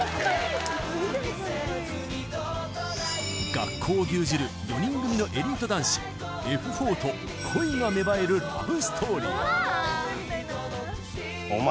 学校を牛耳る４人組のエリート男子Ｆ４と恋が芽生えるラブストーリーお前